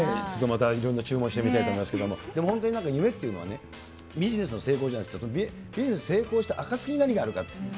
ちょっとまた、いろいろ注文してみたいと思いますけれども、本当になんか夢っていうのは、ビジネスの成功じゃなくて、ビジネス成功した暁に何があるか。